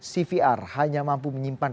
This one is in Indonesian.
cvr hanya mampu menyimpan